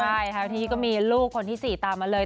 ใช่บางทีก็มีลูกคนที่สี่ตามมาเลย